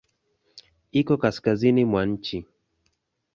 Iko kaskazini mwa nchi.